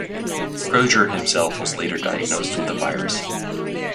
Crozier himself was later diagnosed with the virus.